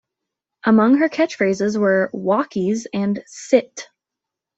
Among her catch-phrases were "walkies" and "sit!